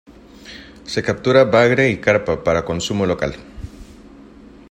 Se captura bagre y carpa para consumo local.